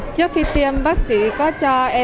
trước khi tiêm bác sĩ có cho em